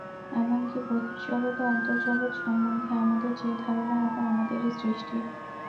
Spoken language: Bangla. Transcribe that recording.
এমন কি বহির্জগৎ ও অন্তর্জগৎ সম্বন্ধে আমাদের যে ধারণা, উহা আমাদেরই সৃষ্টি।